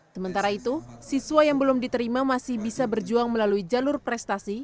sementara itu siswa yang belum diterima masih bisa berjuang melalui jalur prestasi